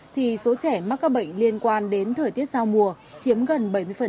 thì số trẻ mắc các bệnh liên quan đến thời tiết giao mùa chiếm gần bảy mươi